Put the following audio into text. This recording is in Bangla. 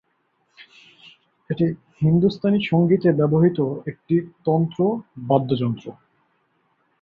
এটি হিন্দুস্তানী সংগীতে ব্যবহৃত একটি তন্তু বাদ্যযন্ত্র।